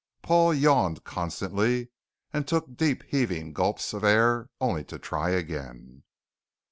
Paul yawned constantly, and took deep heaving gulps of air only to try again.